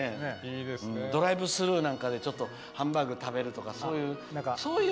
ドライブスルーなんかでハンバーグ食べるとか。